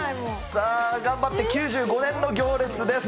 さあ、頑張って、９５年の行列です。